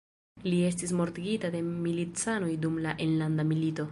Li estis mortigita de milicanoj dum la enlanda milito.